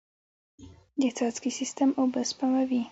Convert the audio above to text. د څاڅکي سیستم اوبه سپموي.